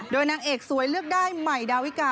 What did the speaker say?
โดยนางเอกสวยเลือกได้ใหม่ดาวิกา